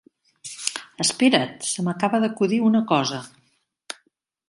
Espera't! Se m'acaba d'acudir una cosa.